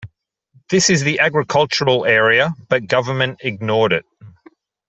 This is the agricultural area but Government ignored it.